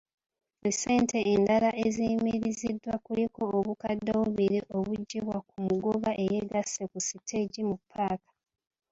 Essente endala eziyimiriziddwa kuliko obukadde obubiri obuggibwa ku mugoba eyeegasse ku siteegi mu ppaaka.